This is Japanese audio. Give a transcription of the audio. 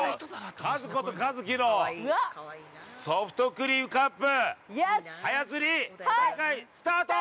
◆かずこと和樹のソフトクリームカップ早釣り大会、スタート！